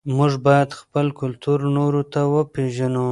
موږ باید خپل کلتور نورو ته وپېژنو.